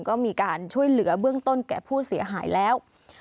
ก็มีการช่วยเหลือเบื้องต้นแก่ผู้เสียหายแล้ว